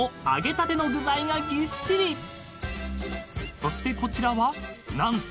［そしてこちらは何と］